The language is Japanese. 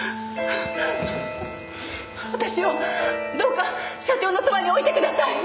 私をどうか社長のそばに置いてください！